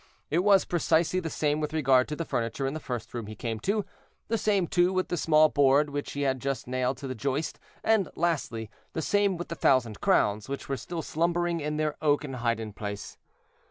It was precisely the same with regard to the furniture in the first room he came to; the same, too, with the small board which he had nailed to the joist; and lastly, the same with the thousand crowns, which were still slumbering in their oaken hiding place.